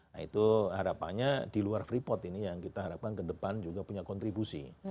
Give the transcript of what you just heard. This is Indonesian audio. nah itu harapannya di luar freeport ini yang kita harapkan ke depan juga punya kontribusi